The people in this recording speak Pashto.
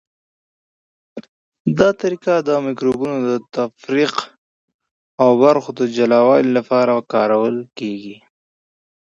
دا طریقه د مکروبونو د تفریق او برخو د جلاوالي لپاره کارول کیږي.